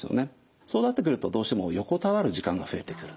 そうなってくるとどうしても横たわる時間が増えてくる。